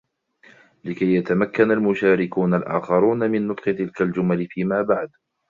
لكي يتمكن المشاركون الاخرون من نطق تلك الجمل فيما بعد.